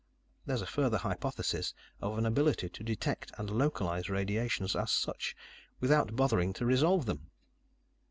There's a further hypothesis of an ability to detect and localize radiations as such, without bothering to resolve them."